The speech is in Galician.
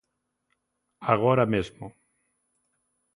Agora mesmo.